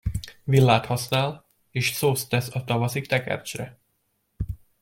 Villát használ, és szószt tesz a tavaszi tekercsre.